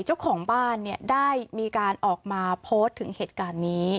เจ้าของบ้านได้มีการออกมาโพสต์ถึงเหตุการณ์นี้